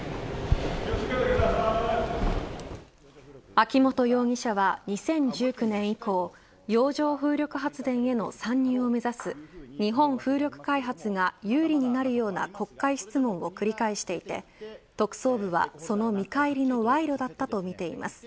秋本容疑者は、２０１９年以降洋上風力発電への参入を目指す日本風力開発が有利になるような国会質問を繰り返していて特捜部はその見返りの賄賂だったとみています。